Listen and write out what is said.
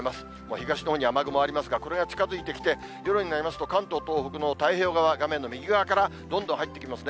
東のほうに雨雲ありますが、これが近づいてきて、夜になりますと、関東、東北の太平洋側、画面の右側からどんどん入ってきますね。